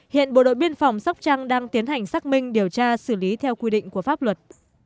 hiện bộ đội biên phòng sóc trăng đang tiến hành xác minh điều tra xử lý theo quy định của pháp luật